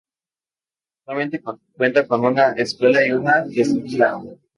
Actualmente cuenta con una escuela y una quesería.